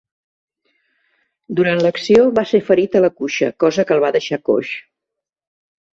Durant l'acció va ser ferit a la cuixa, cosa que el va deixar coix.